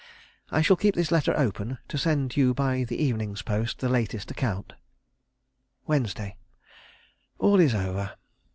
I shall keep this letter open, to send you by the evening's post the latest account. "Wednesday. "All is over.